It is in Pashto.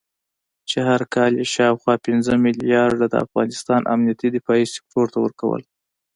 چې هر کال یې شاوخوا پنځه مليارده د افغانستان امنيتي دفاعي سکتور ته ورکول